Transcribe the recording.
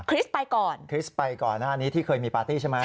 ไปก่อนคริสไปก่อนหน้านี้ที่เคยมีปาร์ตี้ใช่ไหม